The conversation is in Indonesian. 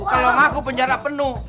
kalau ngaku penjara penuh